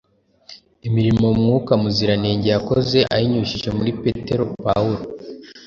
Imirimo Mwuka Muziranenge yakoze ayinyujije muri Petero, Pawulo,